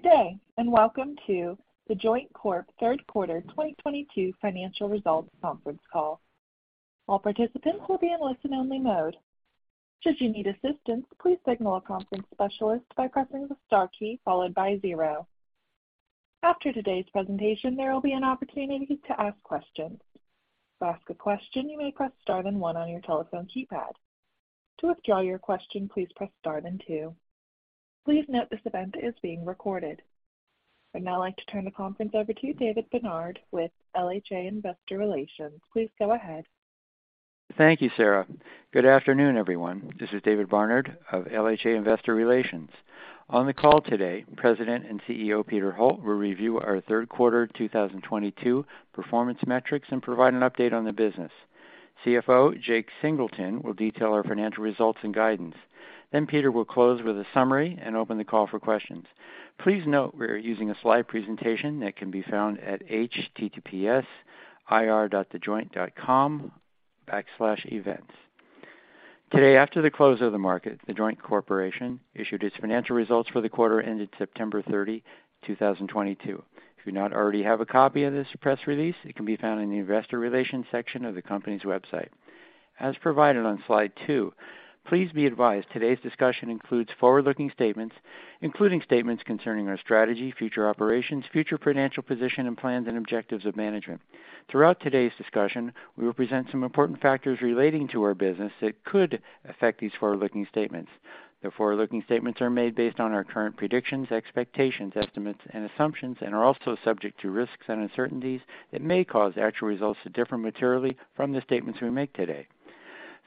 Good day, and welcome to The Joint Corp. Third Quarter 2022 Financial Results Conference Call. All participants will be in listen-only mode. Should you need assistance, please signal a conference specialist by pressing the star key followed by zero. After today's presentation, there will be an opportunity to ask questions. To ask a question, you may press star then one on your telephone keypad. To withdraw your question, please press star then two. Please note this event is being recorded. I'd now like to turn the conference over to David Barnard with LHA Investor Relations. Please go ahead. Thank you, Sarah. Good afternoon, everyone. This is David Barnard of LHA Investor Relations. On the call today, President and CEO Peter Holt will review our third quarter 2022 performance metrics and provide an update on the business. CFO Jake Singleton will detail our financial results and guidance. Peter will close with a summary and open the call for questions. Please note we are using a slide presentation that can be found at https://ir.thejoint.com/events. Today, after the close of the market, The Joint Corporation issued its financial results for the quarter ended September 30, 2022. If you do not already have a copy of this press release, it can be found in the investor relations section of the company's website. As provided on slide two, please be advised today's discussion includes forward-looking statements, including statements concerning our strategy, future operations, future financial position, and plans and objectives of management. Throughout today's discussion, we will present some important factors relating to our business that could affect these forward-looking statements. The forward-looking statements are made based on our current predictions, expectations, estimates, and assumptions and are also subject to risks and uncertainties that may cause actual results to differ materially from the statements we make today.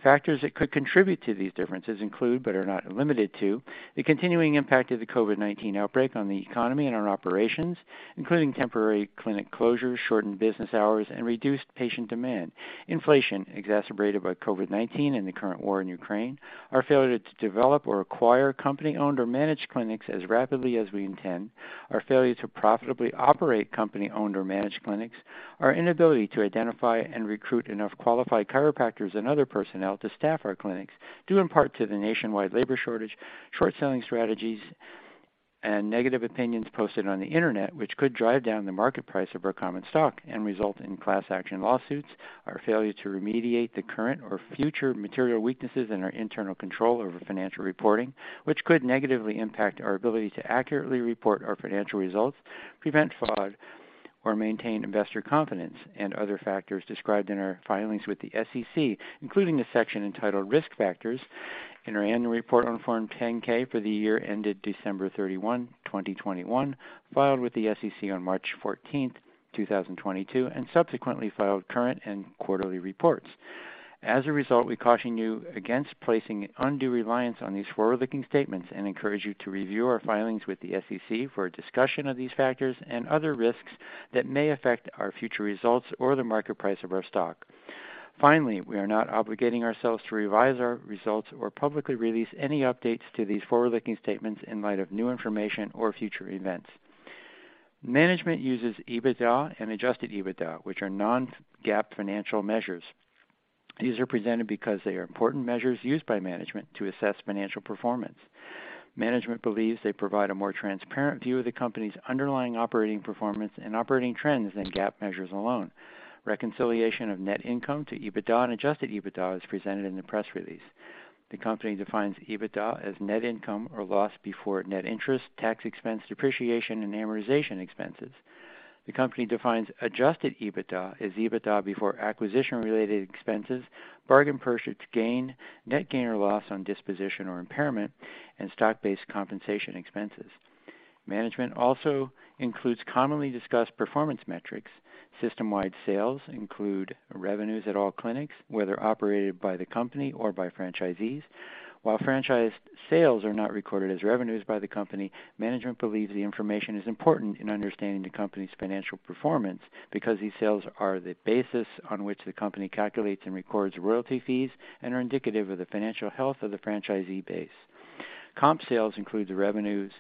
Factors that could contribute to these differences include, but are not limited to, the continuing impact of the COVID-19 outbreak on the economy and our operations, including temporary clinic closures, shortened business hours, and reduced patient demand, inflation exacerbated by COVID-19 and the current war in Ukraine, our failure to develop or acquire company-owned or managed clinics as rapidly as we intend. Our failure to profitably operate company-owned or managed clinics. Our inability to identify and recruit enough qualified chiropractors and other personnel to staff our clinics, due in part to the nationwide labor shortage, short selling strategies, and negative opinions posted on the Internet, which could drive down the market price of our common stock and result in class action lawsuits. Our failure to remediate the current or future material weaknesses in our internal control over financial reporting, which could negatively impact our ability to accurately report our financial results, prevent fraud, or maintain investor confidence. Other factors described in our filings with the SEC, including the section entitled Risk Factors in our annual report on Form 10-K for the year ended December 31, 2021, filed with the SEC on March 14th, 2022, and subsequently filed current and quarterly reports. As a result, we caution you against placing undue reliance on these forward-looking statements and encourage you to review our filings with the SEC for a discussion of these factors and other risks that may affect our future results or the market price of our stock. Finally, we are not obligating ourselves to revise our results or publicly release any updates to these forward-looking statements in light of new information or future events. Management uses EBITDA and Adjusted EBITDA, which are non-GAAP financial measures. These are presented because they are important measures used by management to assess financial performance. Management believes they provide a more transparent view of the company's underlying operating performance and operating trends than GAAP measures alone. Reconciliation of net income to EBITDA and Adjusted EBITDA is presented in the press release. The company defines EBITDA as net income or loss before net interest, tax expense, depreciation, and amortization expenses. The company defines adjusted EBITDA as EBITDA before acquisition related expenses, bargain purchase gain, net gain or loss on disposition or impairment, and stock-based compensation expenses. Management also includes commonly discussed performance metrics. System-wide sales include revenues at all clinics, whether operated by the company or by franchisees. While franchise sales are not recorded as revenues by the company, management believes the information is important in understanding the company's financial performance because these sales are the basis on which the company calculates and records royalty fees and are indicative of the financial health of the franchisee base. Comp sales include the revenues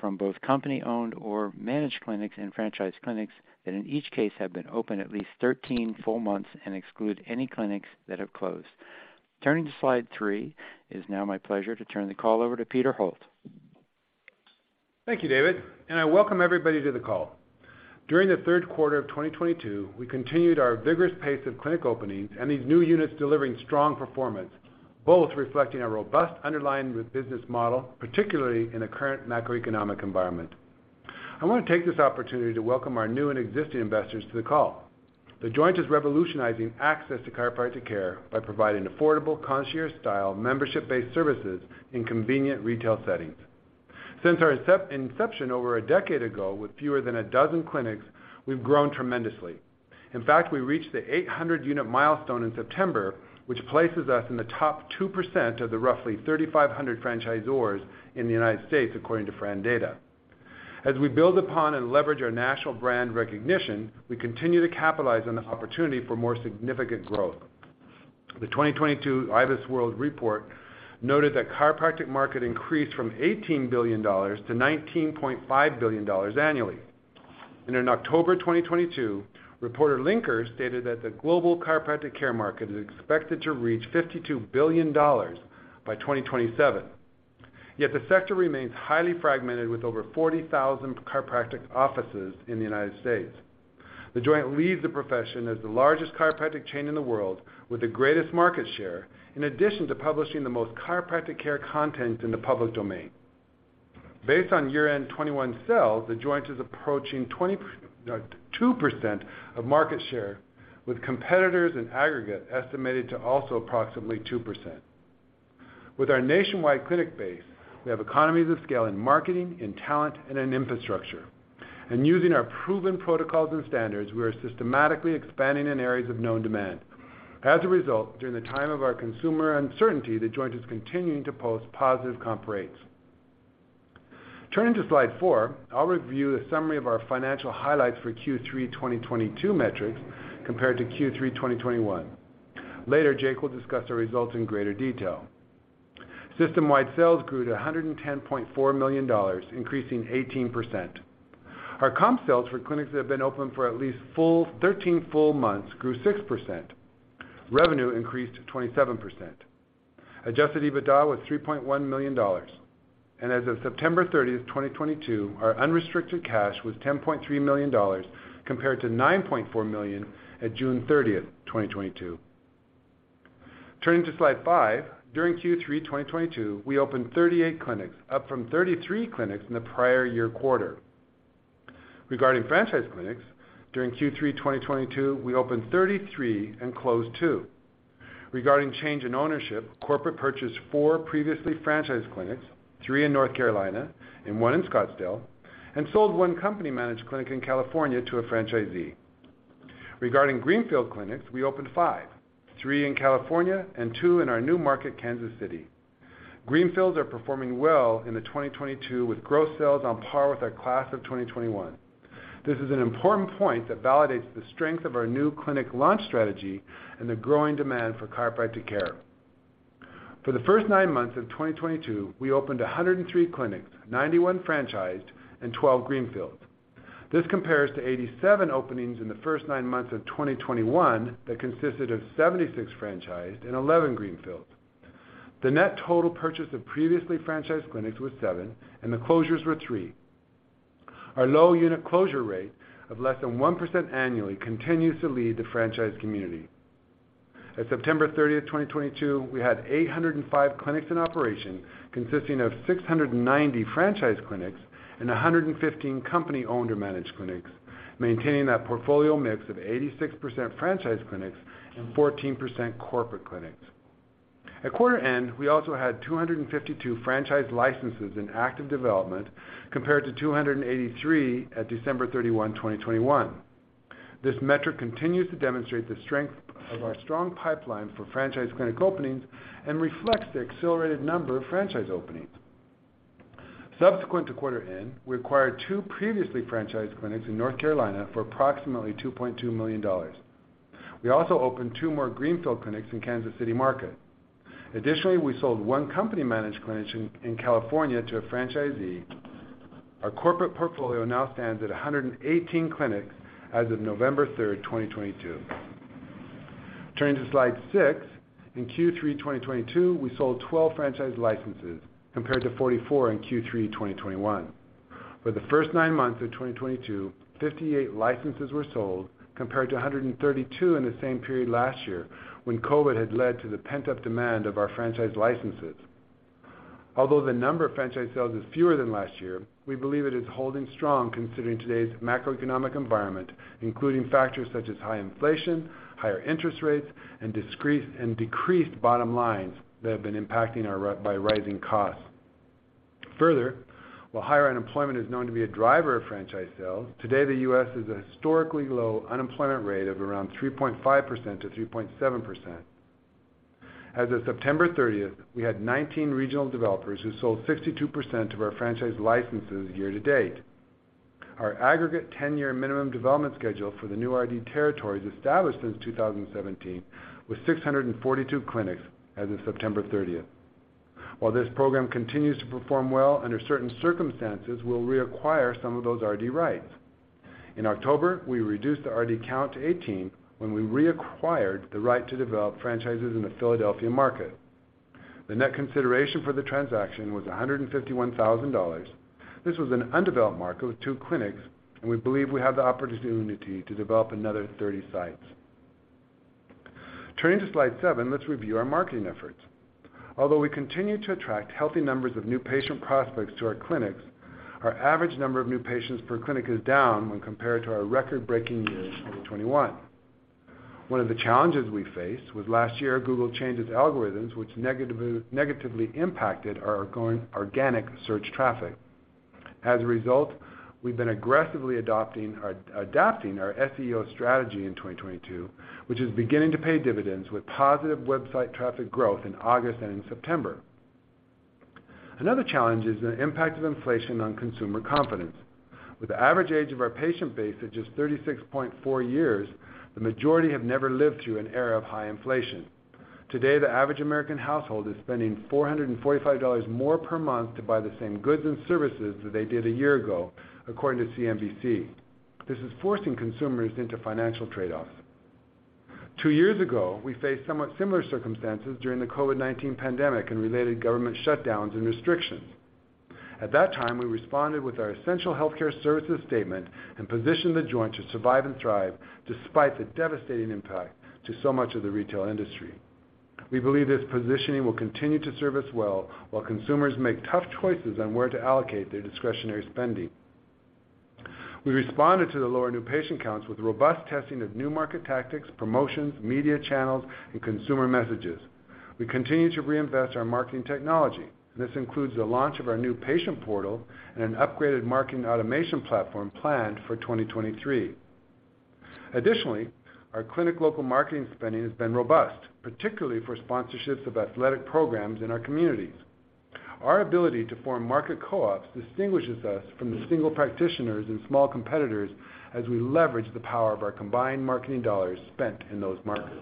from both company-owned or managed clinics and franchise clinics that in each case have been open at least 13 full months and exclude any clinics that have closed. Turning to slide three. It is now my pleasure to turn the call over to Peter Holt. Thank you, David, and I welcome everybody to the call. During the third quarter of 2022, we continued our vigorous pace of clinic openings and these new units delivering strong performance, both reflecting a robust underlying business model, particularly in the current macroeconomic environment. I want to take this opportunity to welcome our new and existing investors to the call. The Joint is revolutionizing access to chiropractic care by providing affordable, concierge-style, membership-based services in convenient retail settings. Since our inception over a decade ago with fewer than a dozen clinics, we've grown tremendously. In fact, we reached the 800-unit milestone in September, which places us in the top 2% of the roughly 3,500 franchisors in the United States, according to FRANdata. As we build upon and leverage our national brand recognition, we continue to capitalize on the opportunity for more significant growth. The 2022 IBISWorld report noted that chiropractic market increased from $18 billion to $19.5 billion annually. In October 2022, ReportLinker stated that the global chiropractic care market is expected to reach $52 billion by 2027. Yet the sector remains highly fragmented with over 40,000 chiropractic offices in the United States. The Joint leads the profession as the largest chiropractic chain in the world with the greatest market share, in addition to publishing the most chiropractic care content in the public domain. Based on year-end 2021 sales, The Joint is approaching 2% of market share, with competitors in aggregate estimated to also approximately 2%. With our nationwide clinic base, we have economies of scale in marketing, in talent, and in infrastructure. Using our proven protocols and standards, we are systematically expanding in areas of known demand. As a result, during the time of our consumer uncertainty, The Joint is continuing to post positive comp rates. Turning to slide four, I'll review a summary of our financial highlights for Q3 2022 metrics compared to Q3 2021. Later, Jake will discuss our results in greater detail. System-wide sales grew to $110.4 million, increasing 18%. Our comp sales for clinics that have been open for at least 13-full months grew 6%. Revenue increased to 27%. Adjusted EBITDA was $3.1 million, and as of September 30th, 2022, our unrestricted cash was $10.3 million compared to $9.4 million at June 30th, 2022. Turning to slide five. During Q3 2022, we opened 38 clinics, up from 33 clinics in the prior year quarter. Regarding franchise clinics, during Q3 2022, we opened 33 and closed two. Regarding change in ownership, corporate purchased four previously franchised clinics, three in North Carolina and one in Scottsdale, and sold one company-managed clinic in California to a franchisee. Regarding greenfield clinics, we opened five, three in California and two in our new market, Kansas City. Greenfields are performing well in the 2022 with gross sales on par with our class of 2021. This is an important point that validates the strength of our new clinic launch strategy and the growing demand for chiropractic care. For the first nine months of 2022, we opened 103 clinics, 91 franchised and 12 greenfield. This compares to 87 openings in the first nine months of 2021 that consisted of 76 franchised and 11 greenfield. The net total purchase of previously franchised clinics was seven, and the closures were three. Our low unit closure rate of less than 1% annually continues to lead the franchise community. At September 30th, 2022, we had 805 clinics in operation consisting of 690 franchised clinics and 115 company-owned or managed clinics, maintaining that portfolio mix of 86% franchised clinics and 14% corporate clinics. At quarter end, we also had 252 franchise licenses in active development, compared to 283 at December 31, 2021. This metric continues to demonstrate the strength of our strong pipeline for franchised clinic openings and reflects the accelerated number of franchise openings. Subsequent to quarter end, we acquired two previously franchised clinics in North Carolina for approximately $2.2 million. We also opened two more greenfield clinics in Kansas City market. Additionally, we sold one company-managed clinic in California to a franchisee. Our corporate portfolio now stands at 118 clinics as of November 3rd, 2022. Turning to slide six. In Q3 2022, we sold 12 franchise licenses, compared to 44 in Q3 2021. For the first nine months of 2022, 58 licenses were sold, compared to 132 in the same period last year, when COVID had led to the pent-up demand of our franchise licenses. Although the number of franchise sales is fewer than last year, we believe it is holding strong considering today's macroeconomic environment, including factors such as high inflation, higher interest rates, and decreased bottom lines that have been impacted by rising costs. Further, while higher unemployment is known to be a driver of franchise sales, today the U.S. is at a historically low unemployment rate of around 3.5%-3.7%. As of September 30th, we had 19 regional developers who sold 62% of our franchise licenses year-to-date. Our aggregate 10-year minimum development schedule for the new RD territories established since 2017 was 642 clinics as of September 30th. While this program continues to perform well under certain circumstances, we'll reacquire some of those RD rights. In October, we reduced the RD count to 18 when we reacquired the right to develop franchises in the Philadelphia market. The net consideration for the transaction was $151,000. This was an undeveloped market with two clinics, and we believe we have the opportunity to develop another 30 sites. Turning to slide seven, let's review our marketing efforts. Although we continue to attract healthy numbers of new patient prospects to our clinics, our average number of new patients per clinic is down when compared to our record-breaking years of 2021. One of the challenges we faced was last year Google changed its algorithms, which negatively impacted our organic search traffic. As a result, we've been aggressively adapting our SEO strategy in 2022, which is beginning to pay dividends with positive website traffic growth in August and in September. Another challenge is the impact of inflation on consumer confidence. With the average age of our patient base at just 36.4 years, the majority have never lived through an era of high inflation. Today, the average American household is spending $445 more per month to buy the same goods and services that they did a year ago, according to CNBC. This is forcing consumers into financial trade-offs. Two years ago, we faced somewhat similar circumstances during the COVID-19 pandemic and related government shutdowns and restrictions. At that time, we responded with our essential healthcare services statement and positioned The Joint to survive and thrive despite the devastating impact to so much of the retail industry. We believe this positioning will continue to serve us well while consumers make tough choices on where to allocate their discretionary spending. We responded to the lower new patient counts with robust testing of new market tactics, promotions, media channels, and consumer messages. We continue to reinvest our marketing technology, and this includes the launch of our new patient portal and an upgraded marketing automation platform planned for 2023. Additionally, our clinic local marketing spending has been robust, particularly for sponsorships of athletic programs in our communities. Our ability to form market co-ops distinguishes us from the single practitioners and small competitors as we leverage the power of our combined marketing dollars spent in those markets.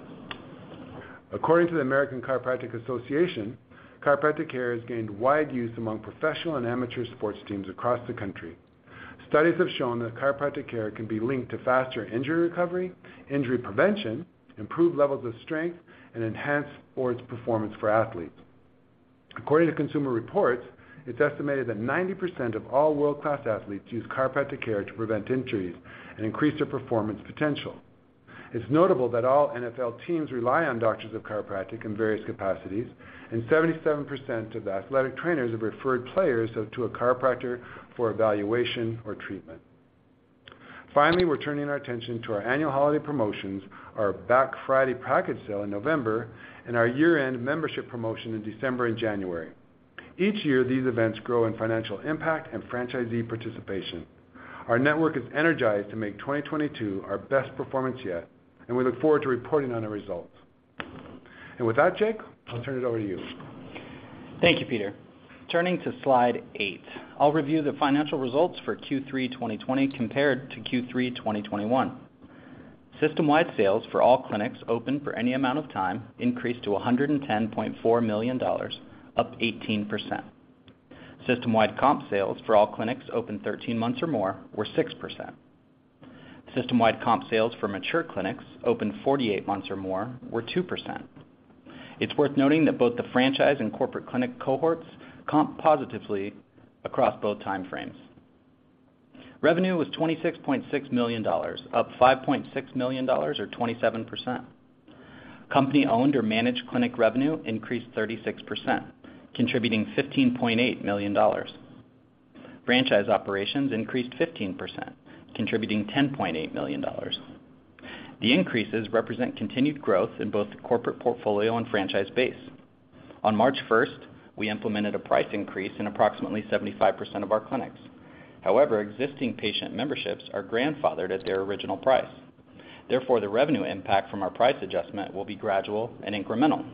According to the American Chiropractic Association, chiropractic care has gained wide use among professional and amateur sports teams across the country. Studies have shown that chiropractic care can be linked to faster injury recovery, injury prevention, improved levels of strength, and enhanced sports performance for athletes. According to Consumer Reports, it's estimated that 90% of all world-class athletes use chiropractic care to prevent injuries and increase their performance potential. It's notable that all NFL teams rely on doctors of chiropractic in various capacities, and 77% of athletic trainers have referred players to a chiropractor for evaluation or treatment. Finally, we're turning our attention to our annual holiday promotions, our Black Friday package sale in November, and our year-end membership promotion in December and January. Each year, these events grow in financial impact and franchisee participation. Our network is energized to make 2022 our best performance yet, and we look forward to reporting on the results. With that, Jake, I'll turn it over to you. Thank you, Peter. Turning to slide eight, I'll review the financial results for Q3 2021 compared to Q3 2020. System-wide sales for all clinics open for any amount of time increased to $110.4 million, up 18%. System-wide comp sales for all clinics open 13 months or more were 6%. System-wide comp sales for mature clinics open 48 months or more were 2%. It's worth noting that both the franchise and corporate clinic cohorts comp positively across both time frames. Revenue was $26.6 million, up $5.6 million or 27%. Company-owned or managed clinic revenue increased 36%, contributing $15.8 million. Franchise operations increased 15%, contributing $10.8 million. The increases represent continued growth in both the corporate portfolio and franchise base. On March 1st, we implemented a price increase in approximately 75% of our clinics. However, existing patient memberships are grandfathered at their original price. Therefore, the revenue impact from our price adjustment will be gradual and incremental.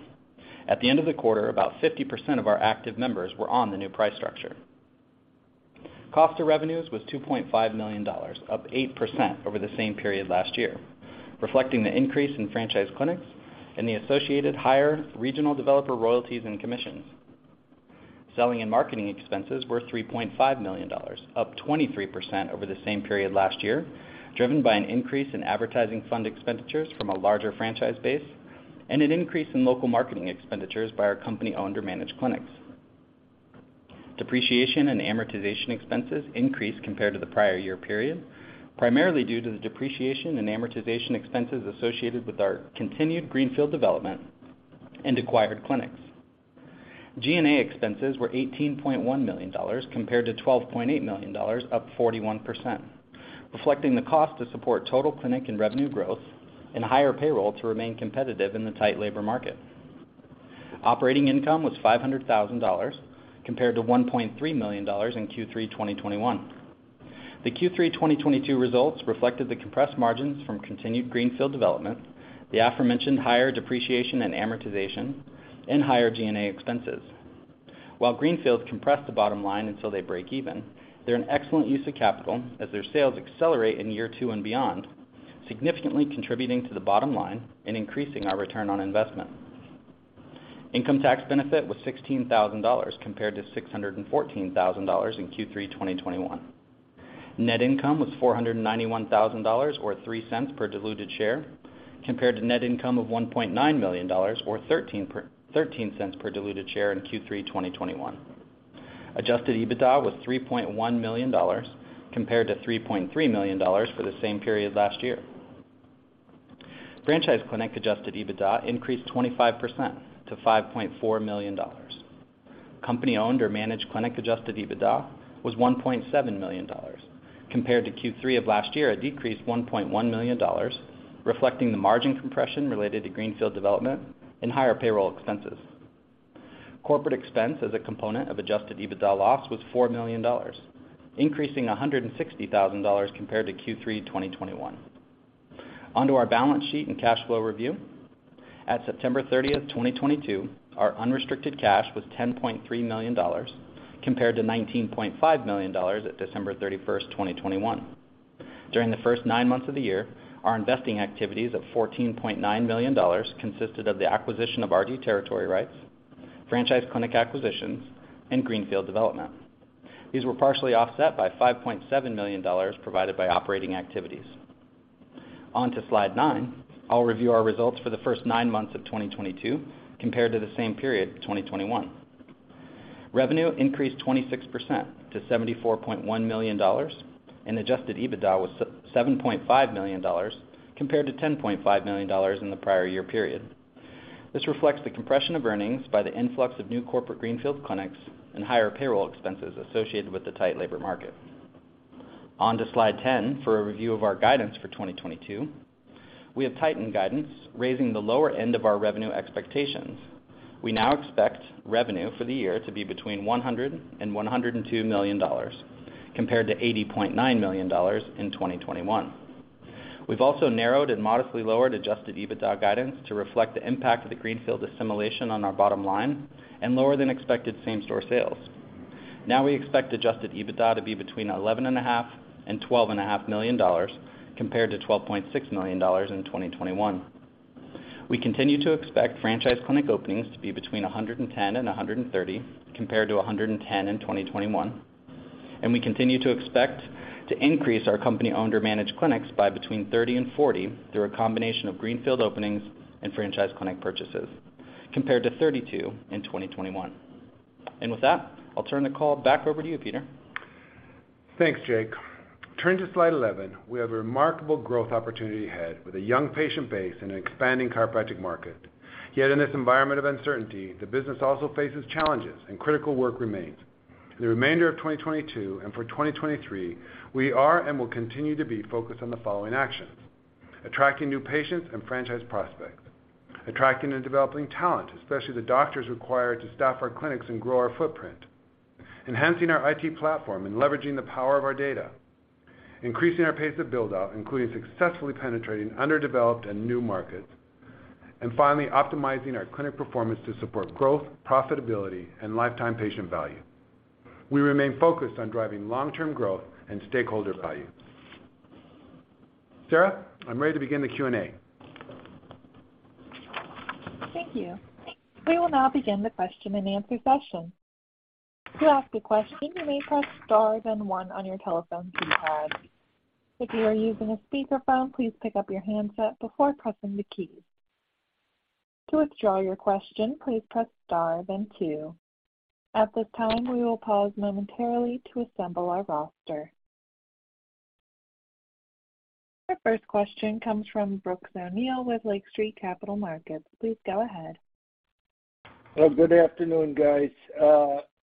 At the end of the quarter, about 50% of our active members were on the new price structure. Cost of revenues was $2.5 million, up 8% over the same period last year, reflecting the increase in franchise clinics and the associated higher regional developer royalties and commissions. Selling and marketing expenses were $3.5 million, up 23% over the same period last year, driven by an increase in advertising fund expenditures from a larger franchise base and an increase in local marketing expenditures by our company-owned or managed clinics. Depreciation and amortization expenses increased compared to the prior year period, primarily due to the depreciation and amortization expenses associated with our continued greenfield development and acquired clinics. G&A expenses were $18.1 million compared to $12.8 million, up 41%, reflecting the cost to support total clinic and revenue growth and higher payroll to remain competitive in the tight labor market. Operating income was $500,000 compared to $1.3 million in Q3 2021. The Q3 2022 results reflected the compressed margins from continued greenfield development, the aforementioned higher depreciation and amortization, and higher G&A expenses. While greenfields compress the bottom line until they break even, they're an excellent use of capital as their sales accelerate in year two and beyond, significantly contributing to the bottom line and increasing our return on investment. Income tax benefit was $16 thousand compared to $614 thousand in Q3 2021. Net income was $491 thousand or $0.03 per diluted share compared to net income of $1.9 million or $0.13 per diluted share in Q3 2021. Adjusted EBITDA was $3.1 million compared to $3.3 million for the same period last year. Franchise clinic Adjusted EBITDA increased 25% to $5.4 million. Company-owned or managed clinic Adjusted EBITDA was $1.7 million. Compared to Q3 of last year, it decreased $1.1 million, reflecting the margin compression related to greenfield development and higher payroll expenses. Corporate expense as a component of Adjusted EBITDA loss was $4 million, increasing $160 thousand compared to Q3 2021. On to our balance sheet and cash flow review. At September 30th, 2022, our unrestricted cash was $10.3 million compared to $19.5 million at December 31st, 2021. During the first nine months of the year, our investing activities of $14.9 million consisted of the acquisition of RD territory rights, franchise clinic acquisitions, and greenfield development. These were partially offset by $5.7 million provided by operating activities. On to slide nine, I'll review our results for the first nine months of 2022 compared to the same period, 2021. Revenue increased 26% to $74.1 million and Adjusted EBITDA was $7.5 million compared to $10.5 million in the prior year period. This reflects the compression of earnings by the influx of new corporate greenfield clinics and higher payroll expenses associated with the tight labor market. On to slide 10 for a review of our guidance for 2022. We have tightened guidance, raising the lower end of our revenue expectations. We now expect revenue for the year to be between $100 million and $102 million compared to $80.9 million in 2021. We've also narrowed and modestly lowered Adjusted EBITDA guidance to reflect the impact of the greenfield assimilation on our bottom line and lower than expected same-store sales. Now, we expect Adjusted EBITDA to be between $11.5 million and $12.5 million compared to $12.6 million in 2021. We continue to expect franchise clinic openings to be between 110 and 130 compared to 110 in 2021. We continue to expect to increase our company owned or managed clinics by between 30 and 40 through a combination of greenfield openings and franchise clinic purchases, compared to 32 in 2021. With that, I'll turn the call back over to you, Peter. Thanks, Jake. Turn to slide 11. We have a remarkable growth opportunity ahead with a young patient base in an expanding chiropractic market. Yet in this environment of uncertainty, the business also faces challenges and critical work remains. The remainder of 2022 and for 2023, we are and will continue to be focused on the following actions, attracting new patients and franchise prospects, attracting and developing talent, especially the doctors required to staff our clinics and grow our footprint, enhancing our IT platform and leveraging the power of our data, increasing our pace of build-out, including successfully penetrating underdeveloped and new markets, and finally, optimizing our clinic performance to support growth, profitability and lifetime patient value. We remain focused on driving long-term growth and stakeholder value. Sarah, I'm ready to begin the Q&A. Thank you. We will now begin the question-and-answer session. To ask a question, you may press star, then one on your telephone keypad. If you are using a speakerphone, please pick up your handset before pressing the keys. To withdraw your question, please press star, then two. At this time, we will pause momentarily to assemble our roster. Our first question comes from Brooks O'Neil with Lake Street Capital Markets. Please go ahead. Well, good afternoon, guys.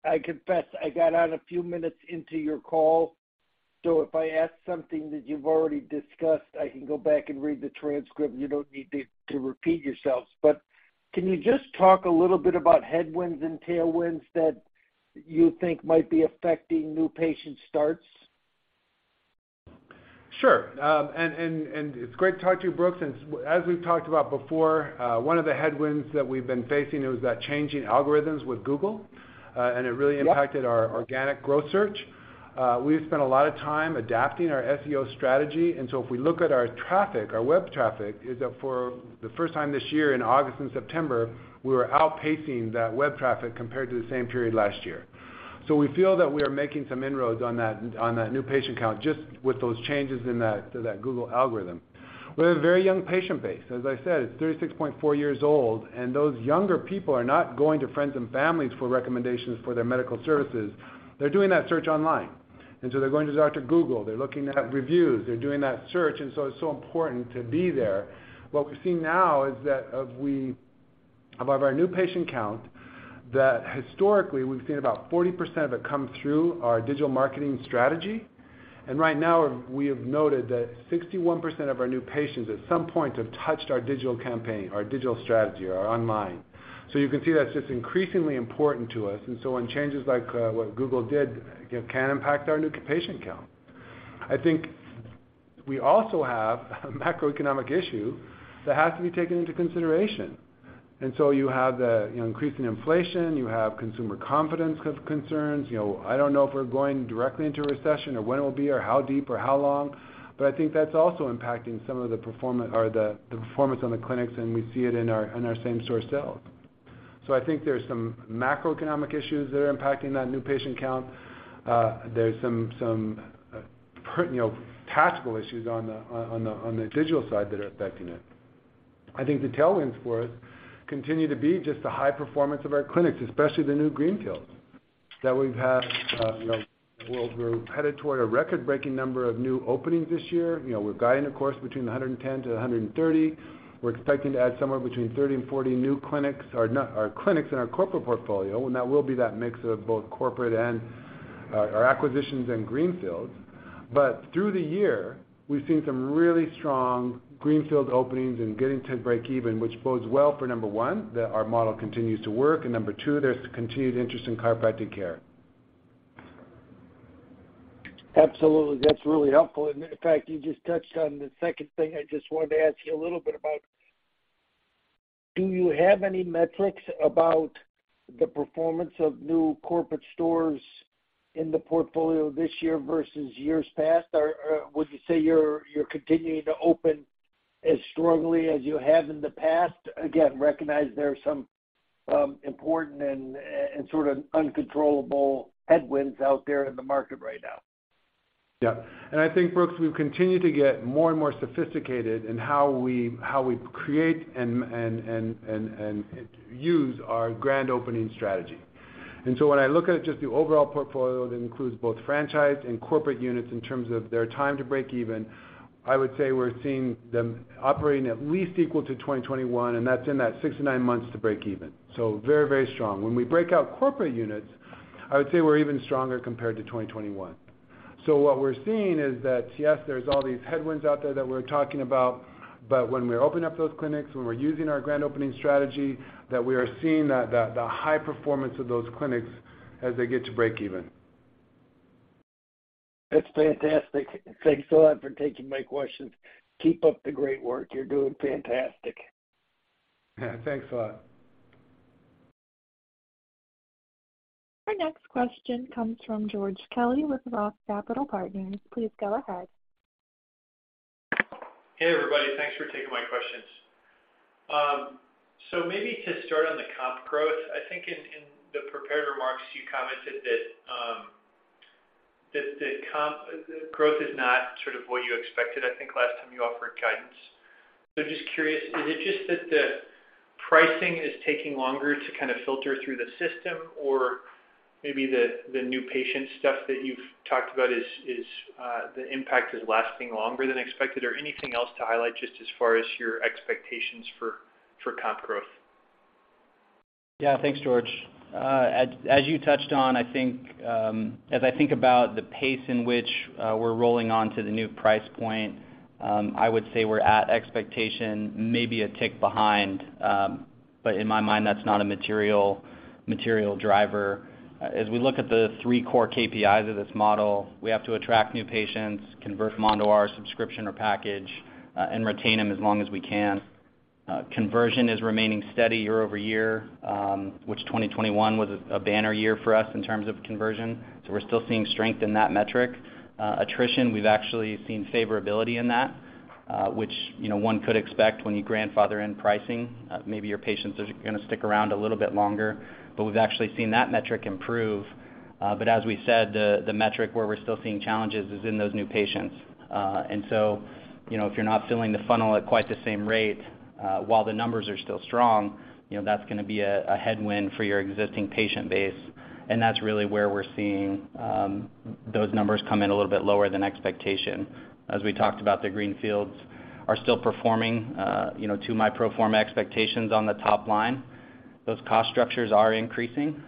I confess I got on a few minutes into your call, so if I ask something that you've already discussed, I can go back and read the transcript. You don't need to repeat yourselves. Can you just talk a little bit about headwinds and tailwinds that you think might be affecting new patient starts? Sure. It's great to talk to you, Brooks. As we've talked about before, one of the headwinds that we've been facing was that changing algorithms with Google, and it really impacted. Yeah. Our organic growth search. We've spent a lot of time adapting our SEO strategy. If we look at our traffic, our web traffic is, for the first time this year in August and September, outpacing that web traffic compared to the same period last year. We feel that we are making some inroads on that new patient count just with those changes in that to that Google algorithm. We have a very young patient base. As I said, it's 36.4 years old, and those younger people are not going to friends and families for recommendations for their medical services. They're doing that search online. They're going to Dr. Google. They're looking at reviews. They're doing that search, and it's so important to be there. What we're seeing now is that of our new patient count, that historically we've seen about 40% of it come through our digital marketing strategy. Right now, we have noted that 61% of our new patients at some point have touched our digital campaign, our digital strategy, or online. You can see that it's just increasingly important to us. When changes like what Google did can impact our new patient count. I think we also have a macroeconomic issue that has to be taken into consideration. You have the, you know, increasing inflation, you have consumer confidence concerns. You know, I don't know if we're going directly into a recession or when it will be or how deep or how long, but I think that's also impacting some of the performance on the clinics, and we see it in our same store sales. I think there's some macroeconomic issues that are impacting that new patient count. You know, there's some tactical issues on the digital side that are affecting it. I think the tailwinds for us continue to be just the high performance of our clinics, especially the new greenfield that we've had. We're headed toward a record-breaking number of new openings this year. You know, we're guiding, of course, between 110 to 130. We're expecting to add somewhere between 30 and 40 new clinics in our corporate portfolio, and that will be that mix of both corporate and our acquisitions and greenfields. Through the year, we've seen some really strong greenfield openings and getting to break even, which bodes well for, number one, that our model continues to work, and number two, there's continued interest in chiropractic care. Absolutely. That's really helpful. In fact, you just touched on the second thing I just wanted to ask you a little bit about. Do you have any metrics about the performance of new corporate stores in the portfolio this year versus years past? Or, would you say you're continuing to open as strongly as you have in the past? Again, recognize there are some important and sort of uncontrollable headwinds out there in the market right now. Yeah. I think, Brooks, we've continued to get more and more sophisticated in how we create and use our grand opening strategy. When I look at just the overall portfolio that includes both franchise and corporate units in terms of their time to break even, I would say we're seeing them operating at least equal to 2021, and that's in that six to nine months to break even. Very, very strong. When we break out corporate units, I would say we're even stronger compared to 2021. What we're seeing is that, yes, there's all these headwinds out there that we're talking about, but when we open up those clinics, when we're using our grand opening strategy, that we are seeing the high performance of those clinics as they get to break even. That's fantastic. Thanks a lot for taking my questions. Keep up the great work. You're doing fantastic. Yeah. Thanks a lot. Our next question comes from George Kelly with Roth Capital Partners. Please go ahead. Hey, everybody. Thanks for taking my questions. Maybe to start on the comp growth, I think in the prepared remarks, you commented that the comp growth is not sort of what you expected, I think last time you offered guidance. Just curious, is it just that the pricing is taking longer to kind of filter through the system? Or maybe the new patient stuff that you've talked about is the impact is lasting longer than expected? Or anything else to highlight just as far as your expectations for comp growth? Yeah. Thanks, George. As you touched on, I think as I think about the pace in which we're rolling on to the new price point, I would say we're at expectation, maybe a tick behind. In my mind, that's not a material driver. As we look at the three core KPIs of this model, we have to attract new patients, convert them onto our subscription or package, and retain them as long as we can. Conversion is remaining steady year-over-year, which 2021 was a banner year for us in terms of conversion. So we're still seeing strength in that metric. Attrition, we've actually seen favorability in that, which you know, one could expect when you grandfather in pricing. Maybe your patients are gonna stick around a little bit longer, but we've actually seen that metric improve. As we said, the metric where we're still seeing challenges is in those new patients. You know, if you're not filling the funnel at quite the same rate, while the numbers are still strong, you know, that's gonna be a headwind for your existing patient base. That's really where we're seeing those numbers come in a little bit lower than expectation. As we talked about, the greenfields are still performing, you know, to my pro forma expectations on the top line. Those cost structures are increasing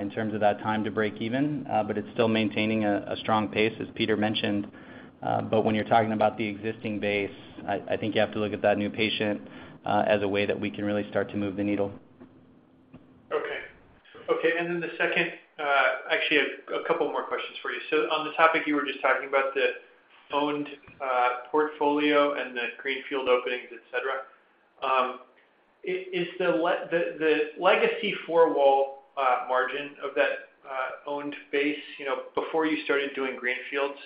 in terms of that time to break even, but it's still maintaining a strong pace, as Peter mentioned. When you're talking about the existing base, I think you have to look at that new patient as a way that we can really start to move the needle. Okay, actually a couple more questions for you. On the topic you were just talking about, the owned portfolio and the greenfield openings, et cetera, is the legacy four-wall margin of that owned base, you know, before you started doing greenfields,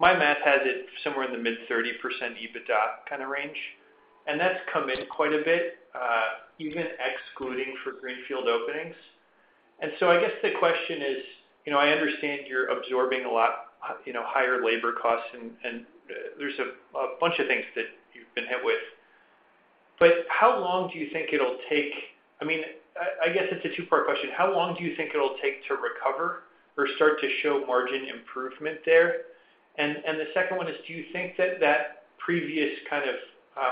my math has it somewhere in the mid-30% EBITDA kind of range, and that's come in quite a bit, even excluding greenfield openings. I guess the question is, you know, I understand you're absorbing a lot higher labor costs and there's a bunch of things that you've been hit with. How long do you think it'll take? I mean, it's a two-part question. How long do you think it'll take to recover or start to show margin improvement there? The second one is, do you think that previous kind of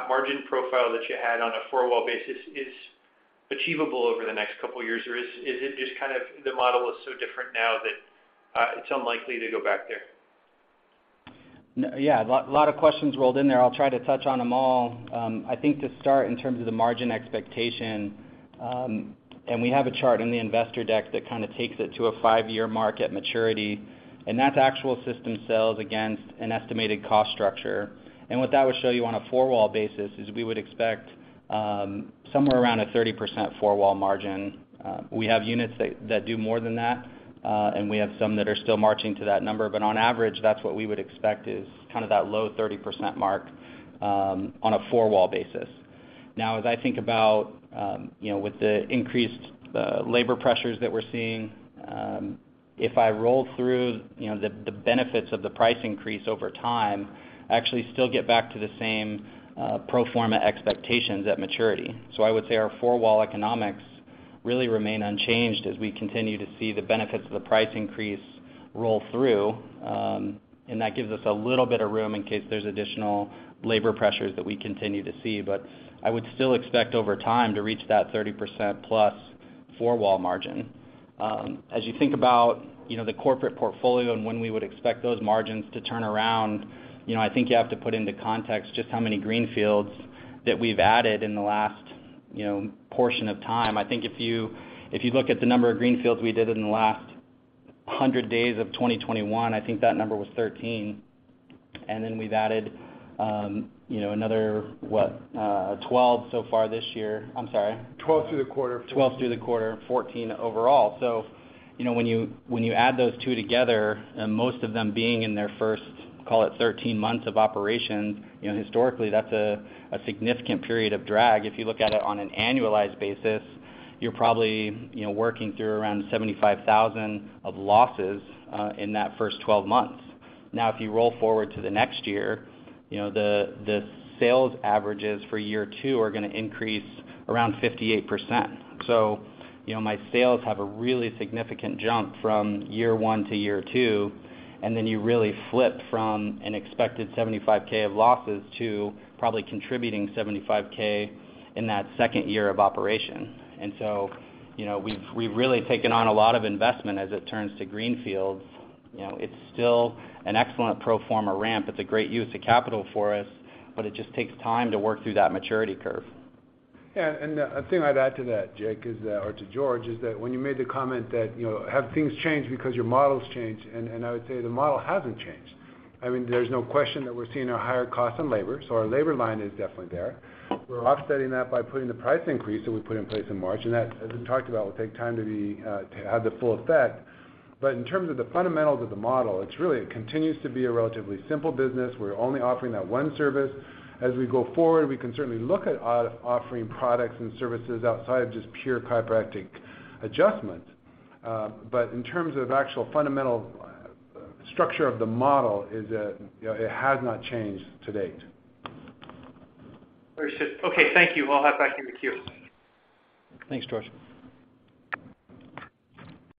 margin profile that you had on a four-wall basis is achievable over the next couple years? Or is it just kind of the model is so different now that it's unlikely to go back there? Yeah. A lot of questions rolled in there. I'll try to touch on them all. I think to start in terms of the margin expectation, and we have a chart in the investor deck that kind of takes it to a five-year market maturity, and that's actual system sales against an estimated cost structure. What that would show you on a four-wall basis is we would expect somewhere around a 30% four-wall margin. We have units that do more than that, and we have some that are still marching to that number. On average, that's what we would expect is kind of that low 30% mark on a four-wall basis. Now as I think about, you know, with the increased labor pressures that we're seeing, if I roll through, you know, the benefits of the price increase over time, I actually still get back to the same pro forma expectations at maturity. I would say our four-wall economics really remain unchanged as we continue to see the benefits of the price increase roll through. And that gives us a little bit of room in case there's additional labor pressures that we continue to see. I would still expect over time to reach that 30%+ four-wall margin. As you think about, you know, the corporate portfolio and when we would expect those margins to turn around, you know, I think you have to put into context just how many greenfields that we've added in the last, you know, portion of time. I think if you look at the number of greenfields we did in the last 100 days of 2021, I think that number was 13. And then we've added, you know, another, what, 12 so far this year. I'm sorry. 12 through the quarter. 12 through the quarter, 14 overall. You know, when you add those two together, and most of them being in their first, call it, 13 months of operation, you know, historically, that's a significant period of drag. If you look at it on an annualized basis, you're probably, you know, working through around $75,000 of losses in that first 12 months. Now, if you roll forward to the next year, you know, the sales averages for year two are gonna increase around 58%. You know, my sales have a really significant jump from year one to year two, and then you really flip from an expected $75,000 of losses to probably contributing $75,000 in that second year of operation. You know, we've really taken on a lot of investment as it turns to greenfields. You know, it's still an excellent pro forma ramp. It's a great use of capital for us, but it just takes time to work through that maturity curve. Yeah. A thing I'd add to that, Jake, is that, or to George, is that when you made the comment that, you know, have things changed because your model's changed, and I would say the model hasn't changed. I mean, there's no question that we're seeing a higher cost in labor, so our labor line is definitely there. We're offsetting that by putting the price increase that we put in place in March, and that, as we talked about, will take time to have the full effect. But in terms of the fundamentals of the model, it's really, it continues to be a relatively simple business. We're only offering that one service. As we go forward, we can certainly look at offering products and services outside of just pure chiropractic adjustment. In terms of actual fundamental structure of the model is that, you know, it has not changed to date. Very swift. Okay, thank you. I'll hop back into queue. Thanks, George.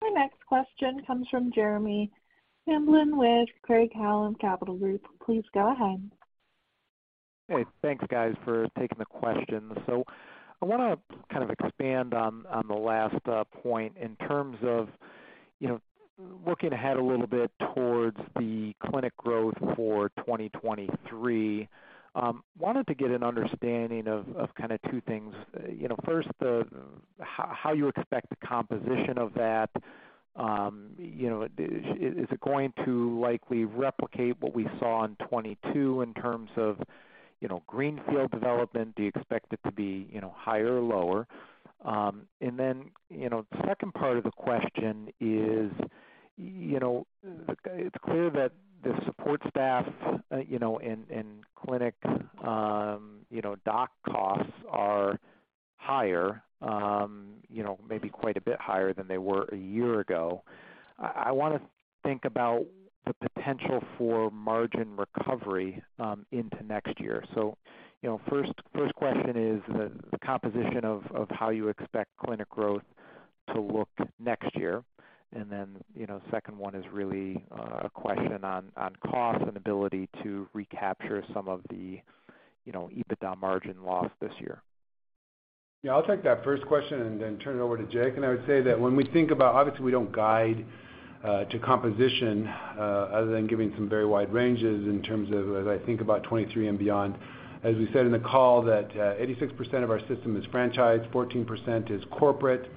Our next question comes from Jeremy Hamblin with Craig-Hallum Capital Group. Please go ahead. Hey, thanks, guys, for taking the question. I wanna kind of expand on the last point in terms of, you know, looking ahead a little bit towards the clinic growth for 2023. Wanted to get an understanding of kinda two things. You know, first, how you expect the composition of that. You know, is it going to likely replicate what we saw in 2022 in terms of, you know, greenfield development? Do you expect it to be, you know, higher or lower? Then, you know, the second part of the question is, you know, it's clear that the support staff, you know, and clinic doc costs are higher, you know, maybe quite a bit higher than they were a year ago. I wanna think about the potential for margin recovery into next year. You know, first question is the composition of how you expect clinic growth to look next year. Then, you know, second one is really a question on cost and ability to recapture some of the EBITDA margin loss this year. Yeah. I'll take that first question and then turn it over to Jake. I would say that when we think about obviously we don't guide to composition other than giving some very wide ranges in terms of as I think about 2023 and beyond. As we said in the call that 86% of our system is franchised, 14% is corporate.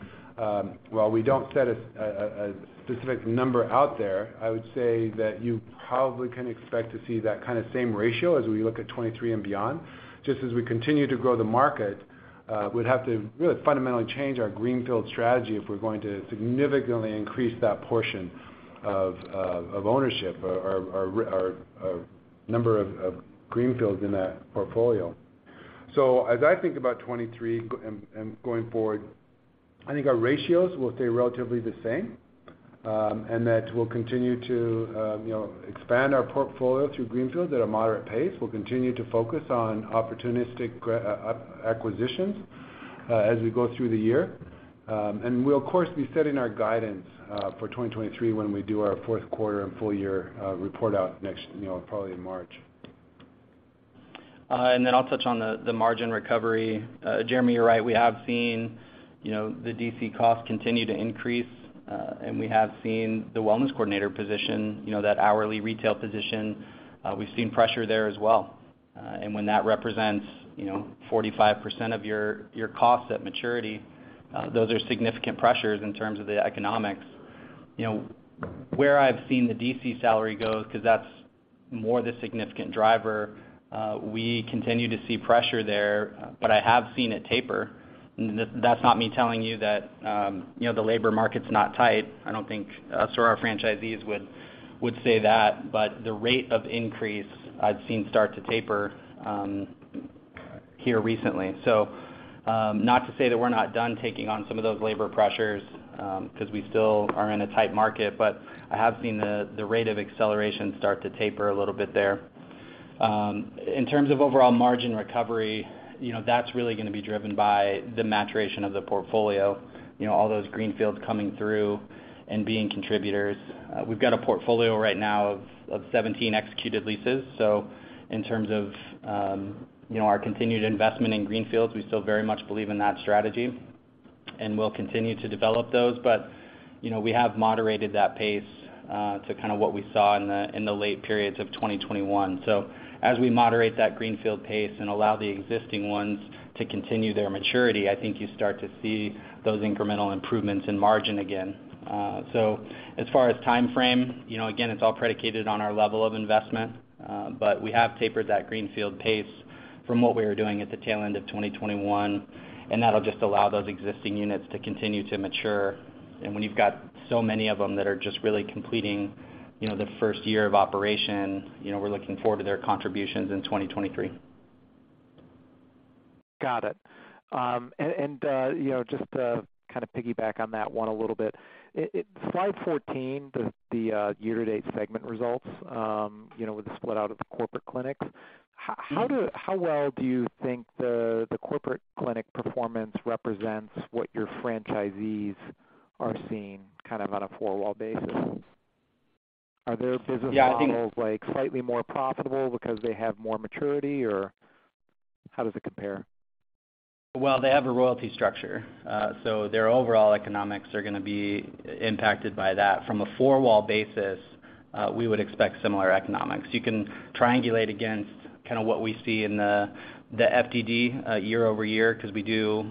While we don't set a specific number out there, I would say that you probably can expect to see that kinda same ratio as we look at 2023 and beyond. Just as we continue to grow the market, we'd have to really fundamentally change our greenfield strategy if we're going to significantly increase that portion of ownership or a number of greenfield in that portfolio. As I think about 2023 and going forward, I think our ratios will stay relatively the same, and that we'll continue to you know expand our portfolio through greenfield at a moderate pace. We'll continue to focus on opportunistic acquisitions as we go through the year. We'll of course be setting our guidance for 2023 when we do our fourth quarter and full year report out next, you know, probably in March. I'll touch on the margin recovery. Jeremy, you're right. We have seen, you know, the D.C. costs continue to increase, and we have seen the wellness coordinator position, you know, that hourly retail position, we've seen pressure there as well. When that represents, you know, 45% of your costs at maturity, those are significant pressures in terms of the economics. You know, where I've seen the D.C. salary go, 'cause that's more the significant driver, we continue to see pressure there, but I have seen it taper. That's not me telling you that, you know, the labor market's not tight. I don't think us or our franchisees would say that, but the rate of increase I've seen start to taper here recently. Not to say that we're not done taking on some of those labor pressures, 'cause we still are in a tight market, but I have seen the rate of acceleration start to taper a little bit there. In terms of overall margin recovery, you know, that's really gonna be driven by the maturation of the portfolio. You know, all those greenfield coming through and being contributors. We've got a portfolio right now of 17 executed leases. In terms of our continued investment in greenfields, we still very much believe in that strategy and we'll continue to develop those, but, you know, we have moderated that pace to kind of what we saw in the late periods of 2021. As we moderate that greenfield pace and allow the existing ones to continue their maturity, I think you start to see those incremental improvements in margin again. As far as timeframe, you know, again, it's all predicated on our level of investment, but we have tapered that greenfield pace from what we were doing at the tail end of 2021, and that'll just allow those existing units to continue to mature. When you've got so many of them that are just really completing, you know, the first year of operation, you know, we're looking forward to their contributions in 2023. Got it. You know, just to kind of piggyback on that one a little bit. Slide 14, the year-to-date segment results, you know, with the split out of the corporate clinics, how well do you think the corporate clinic performance represents what your franchisees are seeing kind of on a four-wall basis? Are their business models, like, slightly more profitable because they have more maturity, or how does it compare? Well, they have a royalty structure, so their overall economics are gonna be impacted by that. From a four-wall basis, we would expect similar economics. You can triangulate against kind of what we see in the FDD year-over-year because we do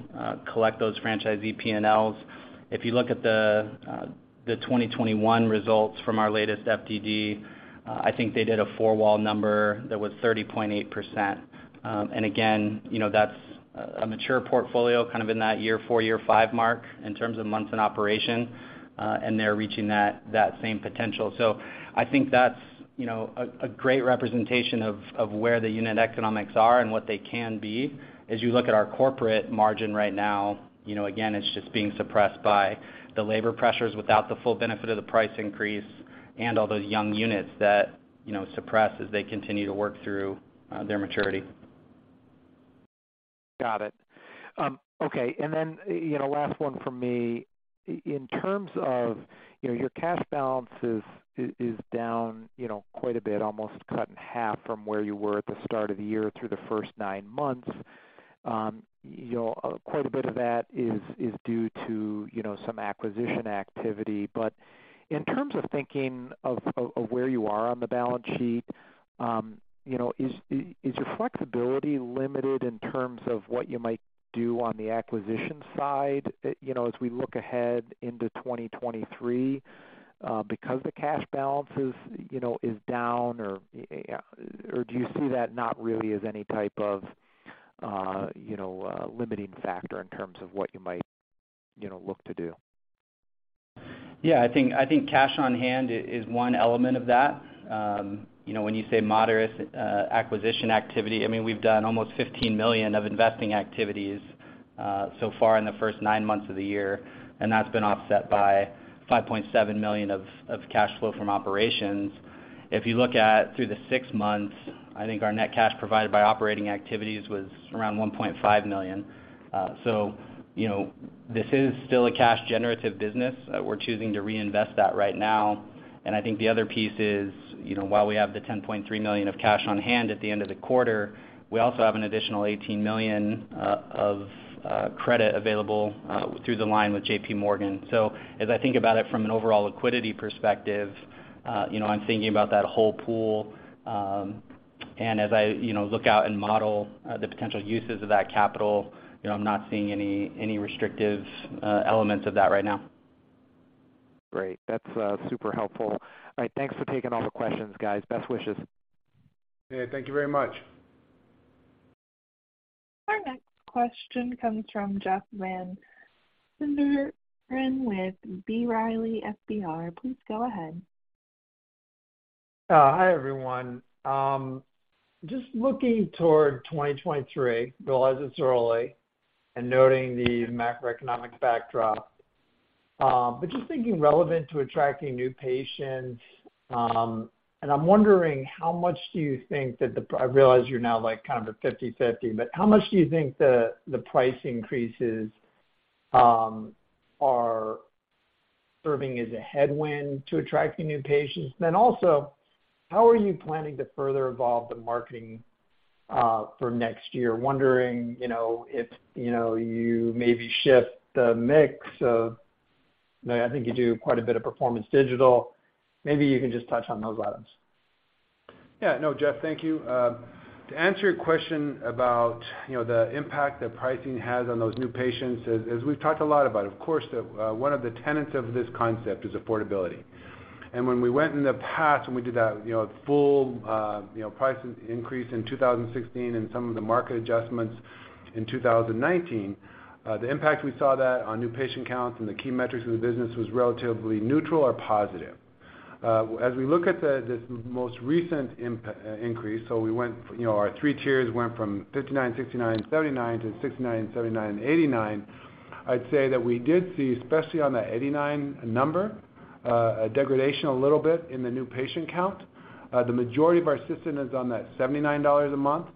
collect those franchisee P&Ls. If you look at the 2021 results from our latest FDD, I think they did a four-wall number that was 30.8%. And again, you know, that's a mature portfolio, kind of in that year four, year five mark in terms of months in operation, and they're reaching that same potential. I think that's, you know, a great representation of where the unit economics are and what they can be. As you look at our corporate margin right now, you know, again, it's just being suppressed by the labor pressures without the full benefit of the price increase and all those young units that, you know, suppress as they continue to work through their maturity. Got it. Okay. Last one from me. In terms of, you know, your cash balance is down, you know, quite a bit, almost cut in half from where you were at the start of the year through the first nine months. You know, quite a bit of that is due to, you know, some acquisition activity. In terms of thinking of where you are on the balance sheet, you know, is your flexibility limited in terms of what you might do on the acquisition side, you know, as we look ahead into 2023 because the cash balance is down? Or do you see that not really as any type of limiting factor in terms of what you might look to do? Yeah. I think cash on hand is one element of that. You know, when you say moderate acquisition activity, I mean, we've done almost $15 million of investing activities so far in the first nine months of the year, and that's been offset by $5.7 million of cash flow from operations. If you look at through the six months, I think our net cash provided by operating activities was around $1.5 million. So, you know, this is still a cash generative business. We're choosing to reinvest that right now. I think the other piece is, you know, while we have the $10.3 million of cash on hand at the end of the quarter, we also have an additional $18 million of credit available through the line with JPMorgan. As I think about it from an overall liquidity perspective, you know, I'm thinking about that whole pool. As I, you know, look out and model the potential uses of that capital, you know, I'm not seeing any restrictive elements of that right now. Great. That's super helpful. All right. Thanks for taking all the questions, guys. Best wishes. Yeah. Thank you very much. Our next question comes from Jeff Van Sinderen with B. Riley Securities. Please go ahead. Hi, everyone. Just looking toward 2023, realize it's early and noting the macroeconomic backdrop. Just thinking relevant to attracting new patients, and I'm wondering how much do you think that I realize you're now like kind of at 50/50, but how much do you think the price increases are serving as a headwind to attracting new patients? Also, how are you planning to further evolve the marketing for next year? Wondering, you know, if, you know, you maybe shift the mix of. I think you do quite a bit of performance digital. Maybe you can just touch on those items. Yeah. No, Jeff, thank you. To answer your question about, you know, the impact that pricing has on those new patients, as we've talked a lot about, of course, one of the tenets of this concept is affordability. When we went in the past, when we did that, you know, full, you know, price increase in 2016 and some of the market adjustments in 2019, the impact we saw that on new patient counts and the key metrics of the business was relatively neutral or positive. As we look at this most recent increase, so we went, you know, our three tiers went from $59, $69, $79 to $69, $79, $89. I'd say that we did see, especially on the $89 number, a degradation a little bit in the new patient count. The majority of our system is on that $79 a month.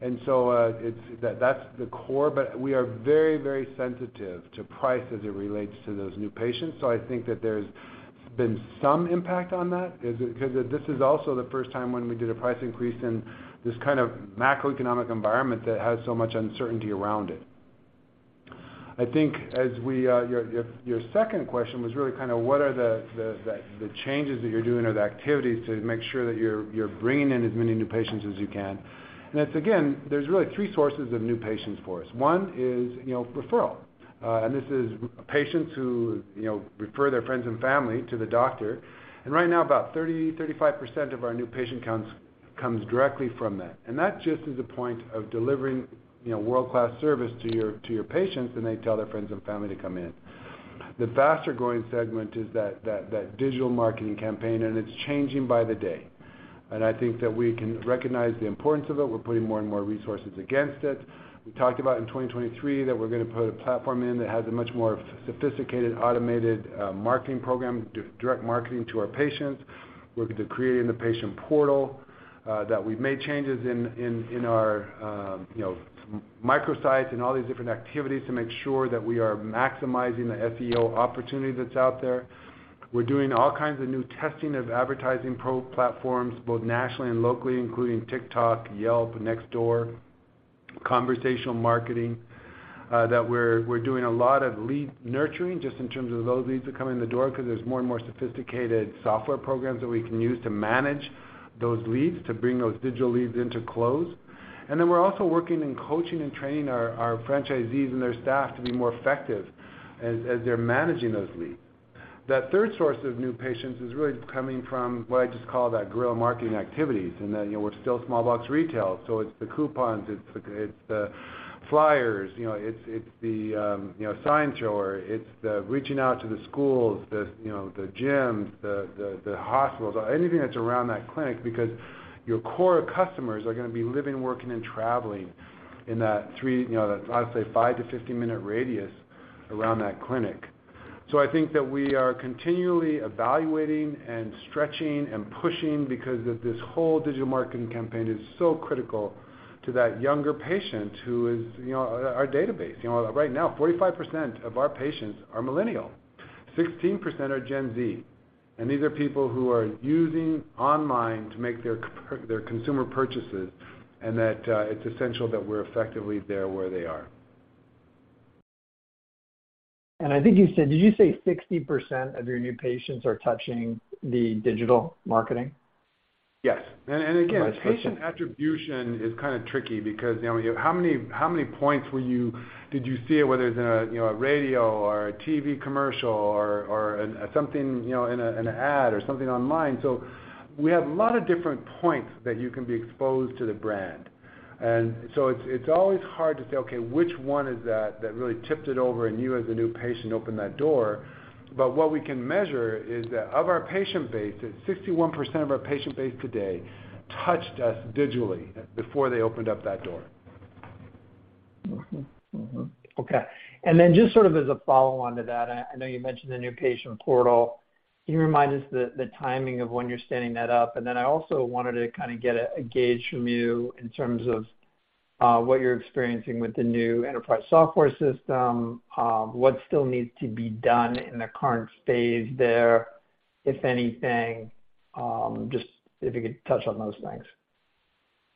It's that's the core. But we are very, very sensitive to price as it relates to those new patients. I think that there's been some impact on that is because this is also the first time when we did a price increase in this kind of macroeconomic environment that has so much uncertainty around it. I think as we, your second question was really kind of what are the changes that you're doing or the activities to make sure that you're bringing in as many new patients as you can. Again, there's really three sources of new patients for us. One is, you know, referral, and this is patients who, you know, refer their friends and family to the doctor. Right now, about 30-35% of our new patient counts comes directly from that. That just is a point of delivering, you know, world-class service to your patients, and they tell their friends and family to come in. The faster-growing segment is that digital marketing campaign, and it's changing by the day. I think that we can recognize the importance of it. We're putting more and more resources against it. We talked about in 2023 that we're gonna put a platform in that has a much more sophisticated, automated, marketing program, direct marketing to our patients. We're creating the patient portal that we've made changes in our, you know, microsites and all these different activities to make sure that we are maximizing the SEO opportunity that's out there. We're doing all kinds of new testing of advertising ad platforms, both nationally and locally, including TikTok, Yelp, Nextdoor, conversational marketing, that we're doing a lot of lead nurturing just in terms of those leads that come in the door 'cause there's more and more sophisticated software programs that we can use to manage those leads, to bring those digital leads into close. We're also working in coaching and training our franchisees and their staff to be more effective as they're managing those leads. That third source of new patients is really coming from what I just call that guerrilla marketing activities, you know, we're still small box retail, so it's the coupons, it's the flyers, you know, it's the sign spinners. It's the reaching out to the schools, you know, the gyms, the hospitals, anything that's around that clinic because your core customers are gonna be living, working and traveling in that three, you know, that, I'd say, five to 15 minute radius around that clinic. I think that we are continually evaluating and stretching and pushing because of this whole digital marketing campaign is so critical to that younger patient who is, you know, our database. You know, right now, 45% of our patients are millennial. 16% are Gen Z. These are people who are using online to make their their consumer purchases, and it's essential that we're effectively there where they are. I think you said. Did you say 60% of your new patients are touching the digital marketing? Yes. Patient attribution is kinda tricky because, you know, how many points did you see it, whether it's in a, you know, a radio or a TV commercial or something, you know, in a ad or something online. So we have a lot of different points that you can be exposed to the brand. It's always hard to say, okay, which one is that really tipped it over and you, as a new patient, opened that door. But what we can measure is that of our patient base, 61% of our patient base today touched us digitally before they opened up that door. Mm-hmm, mm-hmm. Okay. Just sort of as a follow-on to that, I know you mentioned the new patient portal. Can you remind us the timing of when you're standing that up? I also wanted to kinda get a gauge from you in terms of what you're experiencing with the new enterprise software system, what still needs to be done in the current phase there, if anything, just if you could touch on those things.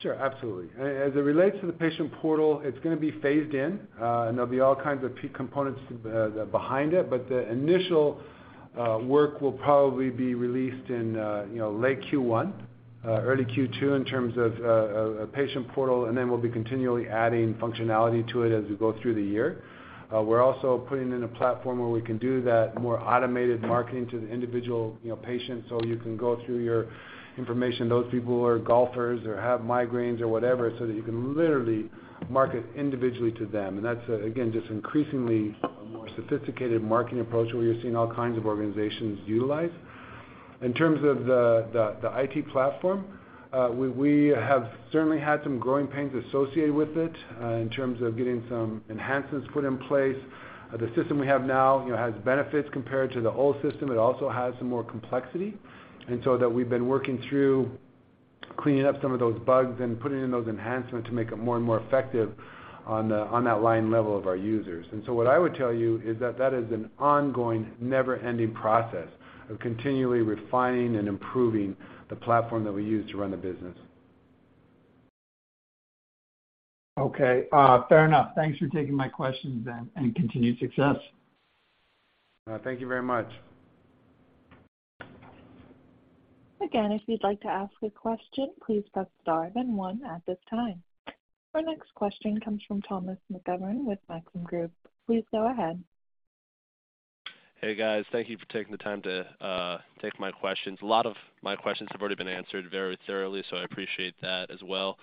Sure, absolutely. As it relates to the patient portal, it's gonna be phased in, and there'll be all kinds of key components behind it. The initial work will probably be released in, you know, late Q1, early Q2 in terms of a patient portal, and then we'll be continually adding functionality to it as we go through the year. We're also putting in a platform where we can do that more automated marketing to the individual, you know, patient, so you can go through your information, those people who are golfers or have migraines or whatever, so that you can literally market individually to them. That's, again, just increasingly a more sophisticated marketing approach where you're seeing all kinds of organizations utilize. In terms of the IT platform, we have certainly had some growing pains associated with it, in terms of getting some enhancements put in place. The system we have now, you know, has benefits compared to the old system. It also has some more complexity, so we've been working through cleaning up some of those bugs and putting in those enhancements to make it more and more effective on that line level of our users. What I would tell you is that that is an ongoing, never-ending process of continually refining and improving the platform that we use to run the business. Okay, fair enough. Thanks for taking my questions then, and continued success. Thank you very much. Again, if you'd like to ask a question, please press star then one at this time. Our next question comes from Thomas McGovern with Maxim Group. Please go ahead. Hey, guys. Thank you for taking the time to take my questions. A lot of my questions have already been answered very thoroughly, so I appreciate that as well.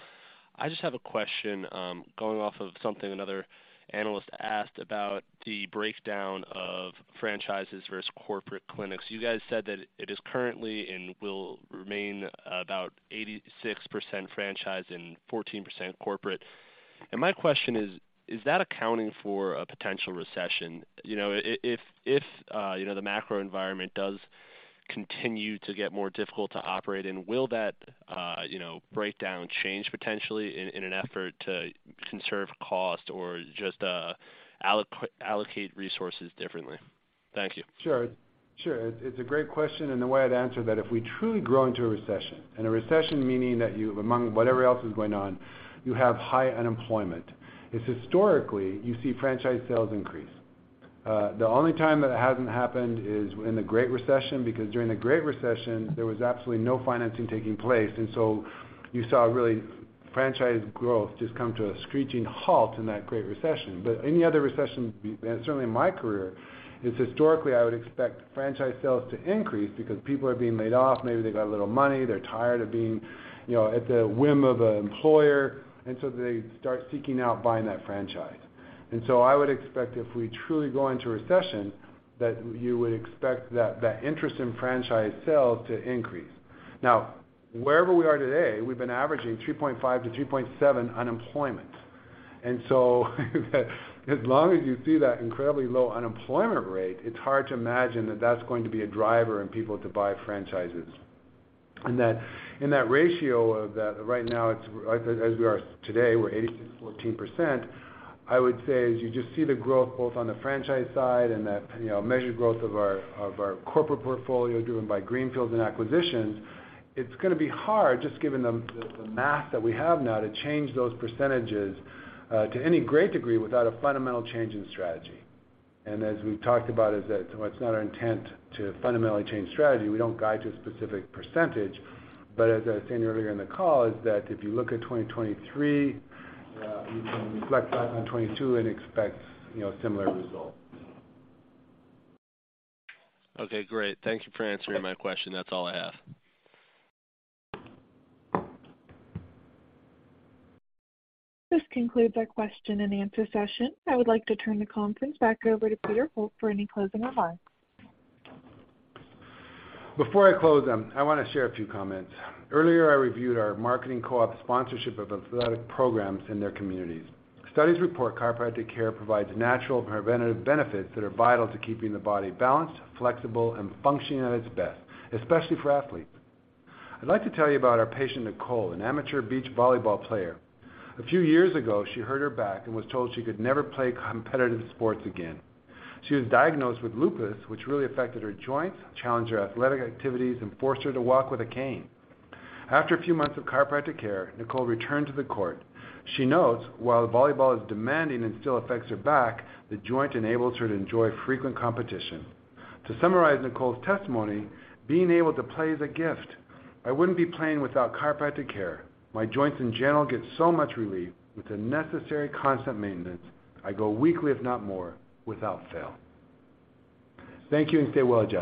I just have a question, going off of something another analyst asked about the breakdown of franchises versus corporate clinics. You guys said that it is currently and will remain about 86% franchise and 14% corporate. My question is that accounting for a potential recession? You know, if you know, the macro environment does continue to get more difficult to operate in, will that, you know, breakdown change potentially in an effort to conserve cost or just, allocate resources differently? Thank you. Sure, sure. It's a great question, and the way I'd answer that, if we truly grow into a recession and a recession meaning that you have, among whatever else is going on, you have high unemployment, is historically you see franchise sales increase. The only time that it hasn't happened is in the Great Recession, because during the Great Recession there was absolutely no financing taking place. You saw really franchise growth just come to a screeching halt in that Great Recession. Any other recession, certainly in my career, is historically I would expect franchise sales to increase because people are being laid off. Maybe they got a little money. They're tired of being, you know, at the whim of an employer and so they start seeking out buying that franchise. I would expect if we truly go into a recession, that you would expect that interest in franchise sales to increase. Now, wherever we are today, we've been averaging 3.5%-3.7% unemployment. As long as you see that incredibly low unemployment rate, it's hard to imagine that that's going to be a driver in people to buy franchises. As we are today, we're 80%-14%, I would say as you just see the growth both on the franchise side and that, you know, measured growth of our corporate portfolio driven by greenfields and acquisitions, it's gonna be hard just given the math that we have now to change those percentages to any great degree without a fundamental change in strategy. As we've talked about, is that it's not our intent to fundamentally change strategy. We don't guide to a specific percentage. As I was saying earlier in the call is that if you look at 2023, you can reflect back on 2022 and expect, you know, similar results. Okay, great. Thank you for answering my question. That's all I have. This concludes our question and answer session. I would like to turn the conference back over to Peter Holt for any closing remarks. Before I close, I wanna share a few comments. Earlier I reviewed our marketing co-op sponsorship of athletic programs in their communities. Studies report chiropractic care provides natural preventative benefits that are vital to keeping the body balanced, flexible and functioning at its best, especially for athletes. I'd like to tell you about our patient, Nicole, an amateur beach volleyball player. A few years ago, she hurt her back and was told she could never play competitive sports again. She was diagnosed with lupus which really affected her joints, challenged her athletic activities and forced her to walk with a cane. After a few months of chiropractic care, Nicole returned to the court. She notes while volleyball is demanding and still affects her back, The Joint enables her to enjoy frequent competition. To summarize Nicole's testimony, being able to play is a gift. I wouldn't be playing without chiropractic care. My joints in general get so much relief with the necessary constant maintenance. I go weekly, if not more, without fail. Thank you and stay well adjusted.